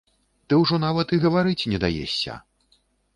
Ты ўжо нават і гаварыць не даешся.